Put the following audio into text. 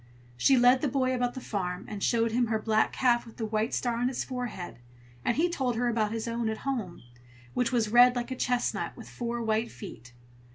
She led the boy about the farm, and showed him her black calf with the white star on its forehead, and he told her about his own at home, which was red like a chestnut, with four white feet.